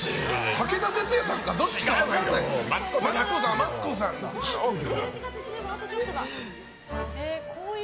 武田鉄矢さんかどっちか分からない。